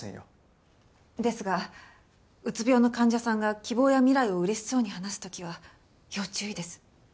ですがうつ病の患者さんが希望や未来を嬉しそうに話す時は要注意です。